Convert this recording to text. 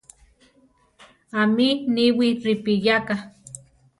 ¿Ámi niwi ripiyáka?